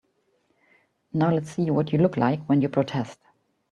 Now let's see what you look like when you protest.